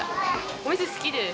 お店好きです。